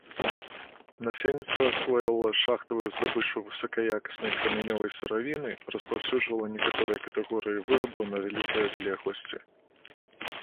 Насельніцтва асвоіла шахтавую здабычу высакаякаснай крамянёвай сыравіны, распаўсюджвала некаторыя катэгорыі вырабаў на вялікай адлегласці.